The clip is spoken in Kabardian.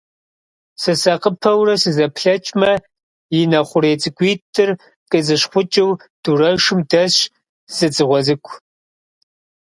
Сысакъыпэурэ сызэплъэкӀмэ, и нэ хъурей цӀыкӀуитӀыр къицӀыщхъукӀыу, дурэшым дэсщ зы дзыгъуэ цӀыкӀу.